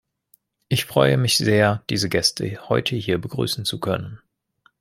Ich freue mich sehr, diese Gäste heute hier begrüßen zu können.